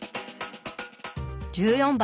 １４番。